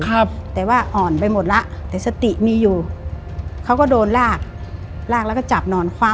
ครับแต่ว่าอ่อนไปหมดแล้วแต่สติมีอยู่เขาก็โดนลากลากแล้วก็จับนอนคว่ำ